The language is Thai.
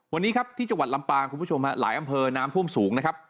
วันนี้ครับที่จังหวัดลำปางคุณผู้ชมฮะหลายอำเภอน้ำท่วมสูงนะครับ